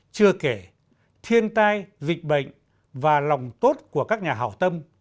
chưa kể thiên tai dịch bệnh và lòng tốt của các nhà hào tâm